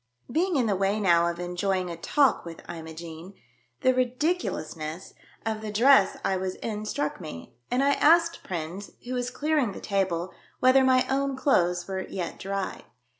Being in the way now of enjoying a talk with Imogene, the ridiculousness of the dress I I TALK WITH MISS LMOGENE DUDLEY. I OO was in struck me, and I asked Prins, who was clearing the table, whether my own clothes were yet dry.